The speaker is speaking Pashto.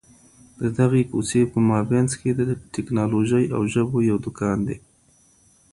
د دغي کوڅې په مابينځ کي د ټکنالوژۍ او ژبو یو دکان دی.